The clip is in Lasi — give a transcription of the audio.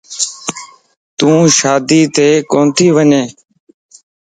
تون شاديت ڪوتي وڃين؟